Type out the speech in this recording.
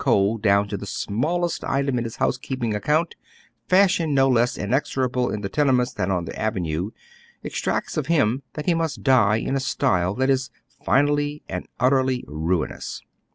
177 coal down to the eiiiallest itetn in his housekeeping ac count, fashion, no less inexorable in the tenenieuts thaa on the avenue, exftcts of him that he must die in a style that is finally and utterly ruinous.